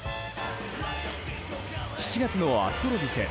７月のアストロズ戦。